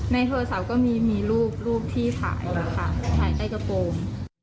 ในโทรศัพท์ก็มีรูปรูปที่ถ่ายแล้วค่ะถ่ายใต้กระโปรง